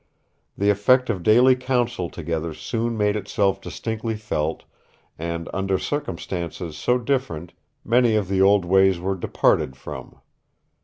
The effect of daily counsel together soon made itself distinctly felt, and, under circumstances so different, many of the old ways were departed from.